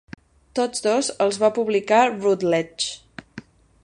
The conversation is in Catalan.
Tots dos els va publicar Routledge.